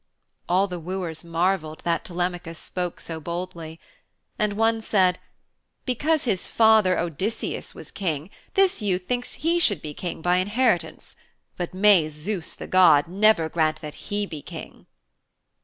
All the wooers marvelled that Telemachus spoke so boldly. And one said, 'Because his father, Odysseus, was king, this youth thinks he should be king by inheritance. But may Zeus, the god, never grant that he be king.'